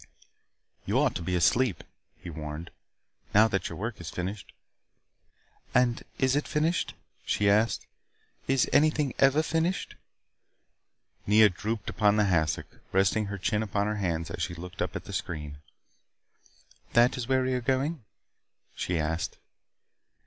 "You ought to be asleep," he warned. "Now that your work is finished " "And is it finished?" she asked. "Is anything ever finished?" Nea drooped upon the hassock. Resting her chin upon her hands she looked up at the screen. "That is where we are going?" she asked.